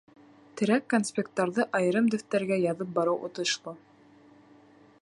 Терәк конспекттарҙы айырым дәфтәргә яҙып барыу отошло.